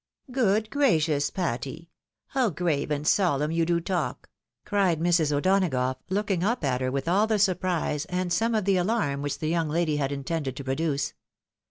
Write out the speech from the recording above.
'' "Good gracious, Patty! How grave and solemn you do talk !" cried Mrs. O'Donagough, looking up at her with all the surprise, and some of the alarm which the young lady had intended to produce.